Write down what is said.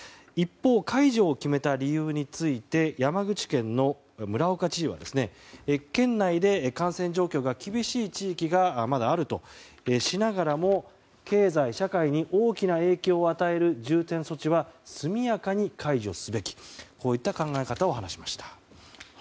一方、解除を決めた理由について山口県の村岡知事は、県内で感染状況が厳しい地域がまだあるとしながらも経済・社会に大きな影響を与える重点措置は速やかに解除すべきとこういった考え方を話しました。